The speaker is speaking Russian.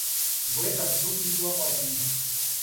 В этом суть дипломатии.